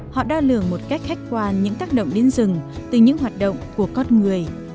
họ đo lường một cách khách quan những tác động đến rừng từ những hoạt động của con người